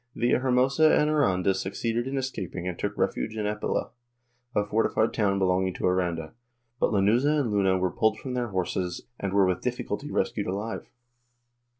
Villahermosa and Aranda succeeded in escaping and took refuge in Epila, a fortified town belonging to Aranda, but Lanuza and Luna were pulled from their horses and were with difficulty rescued alive.